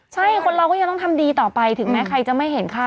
ใช่คนเราก็ยังต้องทำดีต่อไปถึงแม้ใครจะไม่เห็นค่า